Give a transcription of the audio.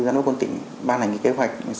giám đốc quân tỉnh ban hành kế hoạch